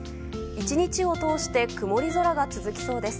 １日を通して曇り空が続きそうです。